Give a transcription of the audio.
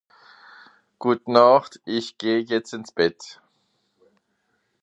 Gutnacht isch geh jetzt ins Bett